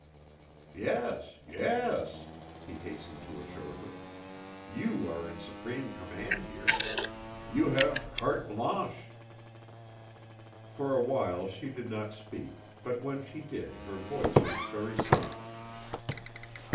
"Yes, yes " he hastened to assure her. "You are in supreme command here. You have carte blanche." For a while she did not speak, but when she did her voice was very soft.